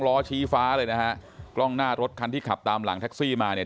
ล้อชี้ฟ้าเลยนะฮะกล้องหน้ารถคันที่ขับตามหลังแท็กซี่มาเนี่ย